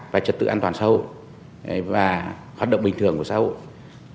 và trật tự an toàn sâu và hoạt động bình thường của sâu